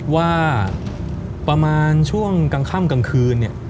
ว่าประมาณช่วงกลางค่ำกลางคืนเนี่ย